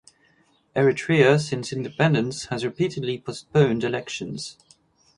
Eritrea, since independence, has repeatedly postponed elections.